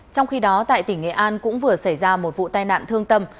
trong khi đó tại tỉnh nghệ an cũng vừa xảy ra một vụ tai nạn thương tâm